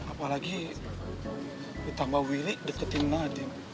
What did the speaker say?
apalagi ditambah willy deketin nadiem